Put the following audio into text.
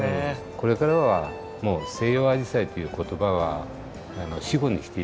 これからはもう「西洋アジサイ」という言葉は死語にして頂いて。